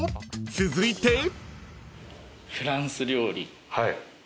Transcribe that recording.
［続いて］フランス料理。